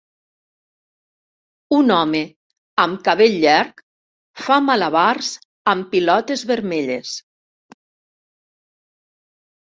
Un home amb cabell llarg fa malabars amb pilotes vermelles.